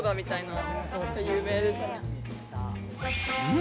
ん？